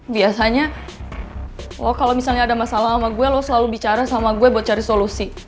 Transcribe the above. biasanya lo kalau misalnya ada masalah sama gue lo selalu bicara sama gue buat cari solusi